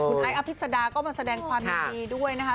ไอ้อภิษดาก็มาแสดงความยินดีด้วยนะคะ